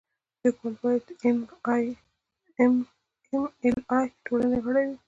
لیکوال باید د ایم ایل اې ټولنې غړی وي.